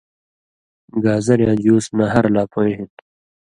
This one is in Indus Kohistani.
گازریاں جُوس نہرہۡ لا پویں ہِن